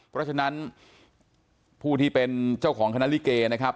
เพราะฉะนั้นผู้ที่เป็นเจ้าของคณะลิเกนะครับ